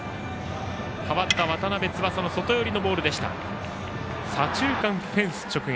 代わった渡邉翼の外寄りのボール左中間のフェンス直撃。